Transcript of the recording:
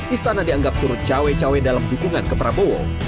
istana dianggap turut cawe cawe dalam perusahaan ini